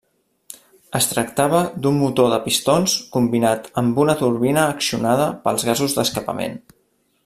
Es tractava d’un motor de pistons combinat amb una turbina accionada pels gasos d’escapament.